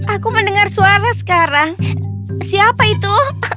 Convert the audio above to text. aku mendengar suara sekarang siapa itu